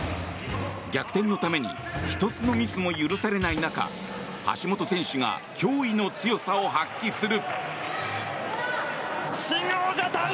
逆転のために１つのミスも許されない中橋本選手が驚異の強さを発揮する。